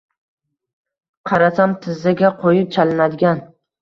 Qarasam, tizzaga qo’yib chalinadigan